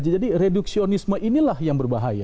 jadi reduksionisme inilah yang berbahaya